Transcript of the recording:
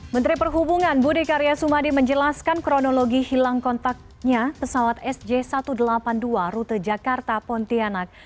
menteri perhubungan budi karya sumadi menjelaskan kronologi hilang kontaknya pesawat sj satu ratus delapan puluh dua rute jakarta pontianak